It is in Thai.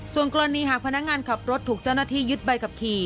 ส่วนกรณีหากพนักงานขับรถถูกเจ้าหน้าที่ยึดใบขับขี่